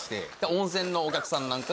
温泉のお客さんなんかが。